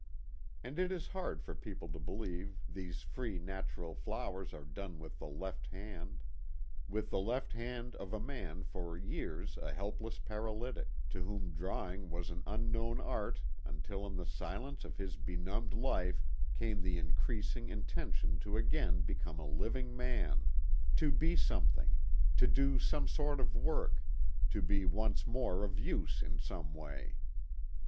And it is hard for people to believe these free natural flowers are clone with the left hand ; with the left hand of 182 THE GOOD SAMARITAN. a man for years a helpless paralytic, to whom drawing was an unknown art until in the silence of his benumbed life came the increasing inten tion' to again become a living man to be some thing, to do some sort of work, to be once more of use in some way.